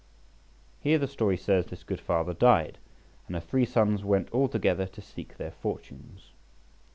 Here the story says this good father died, and the three sons went all together to seek their fortunes.